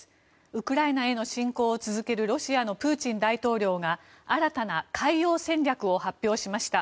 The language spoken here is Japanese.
ウクライナへの侵攻を続けるロシアのプーチン大統領が新たな海洋戦略を発表しました。